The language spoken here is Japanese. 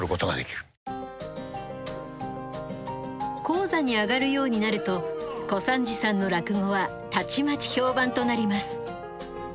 高座に上がるようになると小三治さんの落語はたちまち評判となります。